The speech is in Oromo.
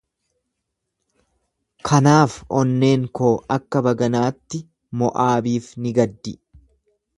Kanaaf onneen koo akka baganaatti Mo'aabiif ni gaddi.